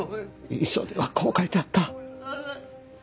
遺書にはこう書いてあった。